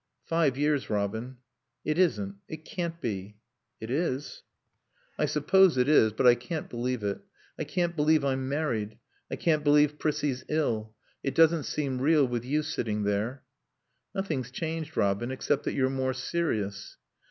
"Five years, Robin." "It isn't. It can't be." "It is." "I suppose it is. But I can't believe it. I can't believe I'm married. I can't believe Prissie's ill. It doesn't seem real with you sitting there." "Nothing's changed, Robin, except that you're more serious."